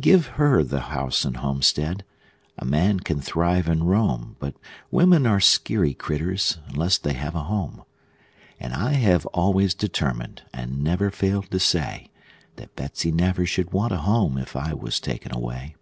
Give her the house and homestead a man can thrive and roam; But women are skeery critters, unless they have a home; And I have always determined, and never failed to say, That Betsey never should want a home if I was taken away.